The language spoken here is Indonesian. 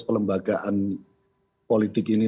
pelembagaan politik ini